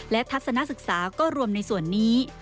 และทัศนศึกษาก็รวมในส่วนนี้